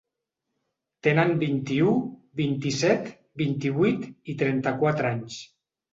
Tenen vint-i-u, vint-i-set, vint-i-vuit i trenta-quatre anys.